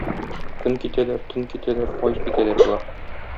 Көн китәләр, төн китәләр, ай китәләр болар.